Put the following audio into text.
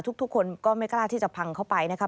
ทุกคนก็ไม่กล้าที่จะพังเข้าไปนะครับ